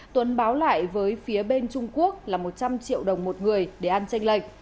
tuấn báo lại với phía bên trung quốc là một trăm linh triệu đồng một người để ăn tranh lệch